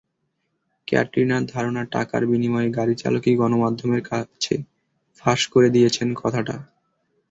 ক্যাটরিনার ধারণা, টাকার বিনিময়ে গাড়িচালকই গণমাধ্যমের কাছে ফাঁস করে দিয়েছেন কথাটা।